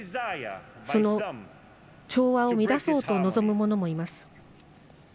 その調和を乱そうと望むものもいます。